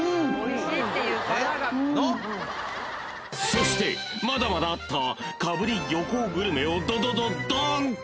［そしてまだまだあったかぶり漁港グルメをドドドドンと！］